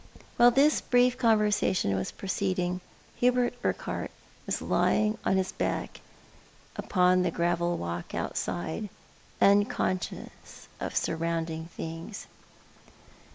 Wliile this brief conversation was proceeding Hubert Urqu hart was lying on his back npon the gravel walk outside, unconscious of surrounding things.